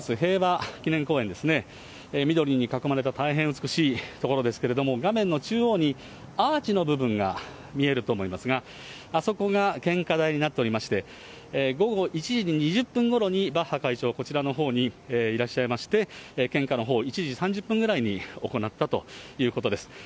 平和記念公園ですね、緑に囲まれた大変美しい所ですけれども、画面の中央に、アーチの部分が見えると思いますが、あそこが献花台になっておりまして、午後１時２０分ごろに、バッハ会長、こちらのほうにいらっしゃいまして、献花のほう、１時３０分ぐらいに行ったということです。